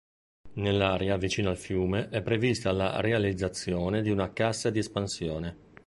Nell'area vicino al fiume è prevista la realizzazione di una cassa di espansione.